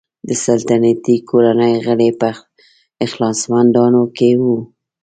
د سلطنتي کورنۍ غړي په اخلاصمندانو کې وو.